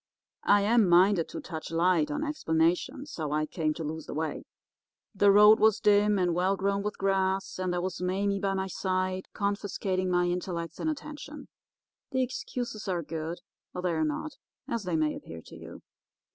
"I am minded to touch light on explanations how I came to lose the way. The road was dim and well grown with grass; and there was Mame by my side confiscating my intellects and attention. The excuses are good or they are not, as they may appear to you.